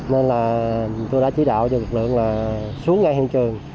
nên là tôi đã chỉ đạo cho lực lượng là xuống ngay hiện trường